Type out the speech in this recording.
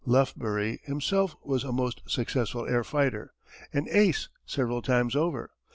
Lufbery himself was a most successful air fighter an "ace" several times over.